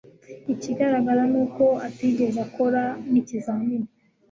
Ikigaragara ni uko atigeze akora nikizamini